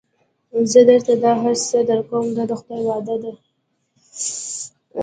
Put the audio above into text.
زه درته دا هر څه درکوم دا د خدای وعده ده.